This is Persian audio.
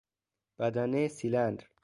بدنه سیلندر